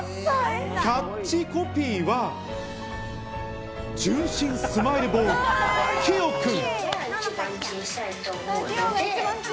キャッチコピーは、純心スマイルボーイ・キオくん。